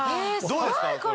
どうですか？